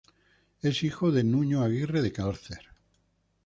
Es hijo de Nuño Aguirre de Cárcer.